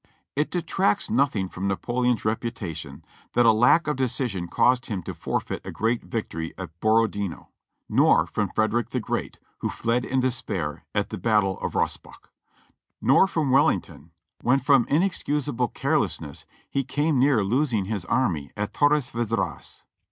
'' It detracts nothing from Napoleon's reputation that a lack of decision caused him to forfeit a great victory at Borodino; nor from Frederick the Great, who fled in despair at the battle of Rosbach ; nor from Wellington, when from inexcusable carelessness he came near losing his army at Torres Vedras.